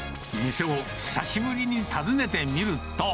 店を久しぶりに訪ねてみると。